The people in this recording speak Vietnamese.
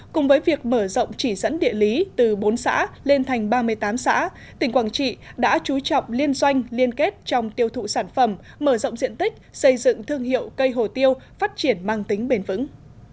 cùng với việc mở rộng chỉ dẫn địa lý từ bốn xã lên thành ba mươi tám xã tỉnh quảng trị đã chú trọng liên doanh liên kết trong tiêu thụ sản phẩm mở rộng diện tích xây dựng thương hiệu cây hồ tiêu phát triển mang tính bền vững